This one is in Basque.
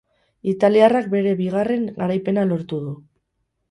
Italiarrak bere bigarren garaipena lortu du.